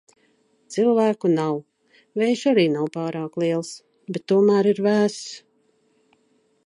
Cilvēku nav. Vējš arī nav pārāk liels, bet tomēr ir vēss.